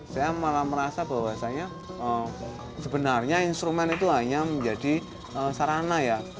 saya malah merasa bahwasannya sebenarnya instrumen itu hanya menjadi sarana ya